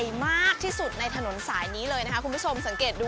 กับการเปิดลอกจินตนาการของเพื่อนเล่นวัยเด็กของพวกเราอย่างโลกของตุ๊กตา